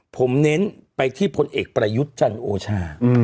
ผมเน้นไปที่พลเอกประยุทธ์จันทร์โอชา